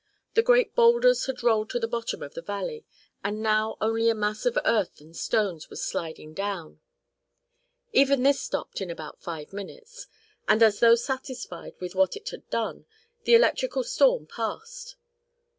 The great boulders had rolled to the bottom of the valley, and now only a mass of earth and stones was sliding down. Even this stopped in about five minutes, and, as though satisfied with what it had done, the electrical storm passed.